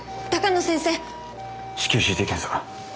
至急ＣＴ検査だ。